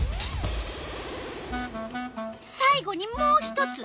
さい後にもう一つ。